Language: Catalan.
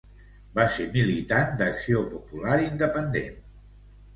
Va ser militant d'Acció Popular Independent.